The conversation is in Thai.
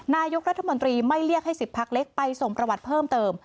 นายกรัฐมนตรีไม่เรียกให้๑๐พักเล็กไปส่งประวัติเพิ่มเติม